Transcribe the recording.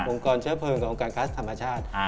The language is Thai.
องค์กรเชื้อเพลิงกับองค์กรคลาสธรรมชาติ